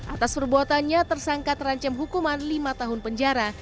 atas perbuatannya tersangka terancam hukuman lima tahun penjara